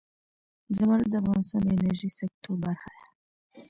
زمرد د افغانستان د انرژۍ سکتور برخه ده.